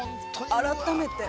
改めて。